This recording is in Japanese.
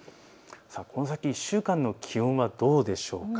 この先１週間の気温はどうでしょう。